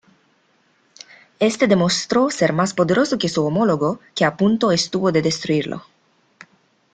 Éste demostró ser más poderoso que su homólogo, que a punto estuvo de destruirlo.